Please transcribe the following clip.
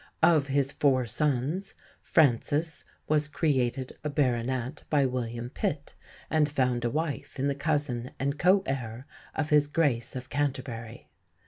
Of his four sons, Francis was created a Baronet by William Pitt, and found a wife in the cousin and co heir of his Grace of Canterbury.